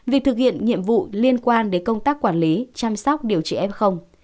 vì thực hiện nhiệm vụ liên quan đến công tác quản lý chăm sóc điều trị ép không